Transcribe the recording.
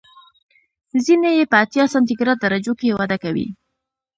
ځینې یې په اتیا سانتي ګراد درجو کې وده کوي.